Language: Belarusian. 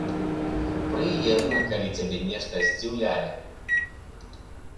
Прыемна, калі цябе нешта здзіўляе!